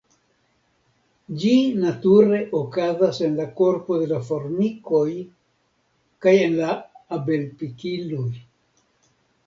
Ĝi nature okazas en la korpo de la formikoj kaj en la abel-pikiloj.